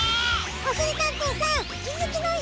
おしりたんていさんきづきのいしが！